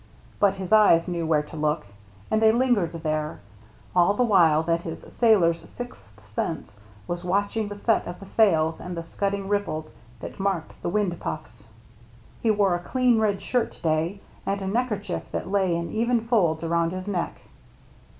But his eyes knew where to look, and they lingered there, all the while that his sailor's sixth sense was watching the set of the sails and the scudding ripples that marked the wind puffs. He wore a clean red shirt to day and a necker chief that lay in even folds around his neck.